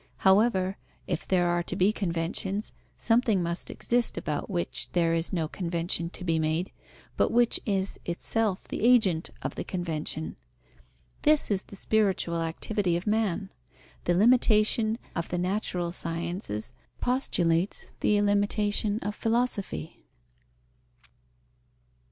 However, if there are to be conventions, something must exist about which there is no convention to be made, but which is itself the agent of the convention. This is the spiritual activity of man. The limitation of the natural sciences postulates the illimitation of philosophy.